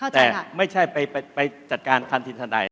แต่ไม่ใช่ไปจัดการทันทีทันใด